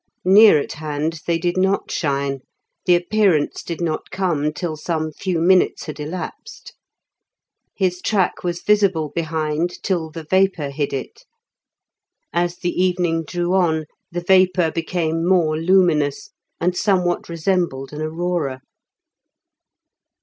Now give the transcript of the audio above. Near at hand they did not shine; the appearance did not come till some few minutes had elapsed. His track was visible behind till the vapour hid it. As the evening drew on the vapour became more luminous, and somewhat resembled an aurora.